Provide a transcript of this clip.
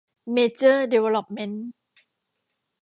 เมเจอร์ ดีเวลลอปเม้นท์